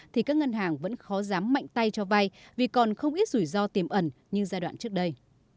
thì các ngân hàng vẫn khó dám mạnh tay cho vay vì còn không ít rủi ro tiềm ẩn như giai đoạn trước đây